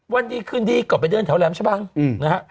วันดีขึ้นที่กลับไปเดินแถวแหลมชะพังนะฮะ